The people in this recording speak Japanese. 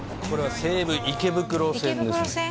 これは西武池袋線ですね